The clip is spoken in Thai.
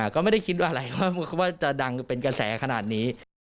ก็ไม่ได้คิดอะไรว่าจะดังเป็นกระแสขนาดนี้